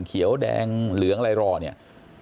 เขียวแดงเหลืองอะไรรอเนี่ย